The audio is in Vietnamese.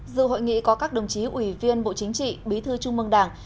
dự hội nghị có các đồng chí ủy viên bộ chính trị bí thư trung mương đảng